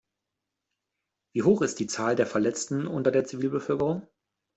Wie hoch ist die Zahl der Verletzten unter der Zivilbevölkerung?